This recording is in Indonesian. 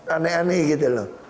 aneh aneh gitu loh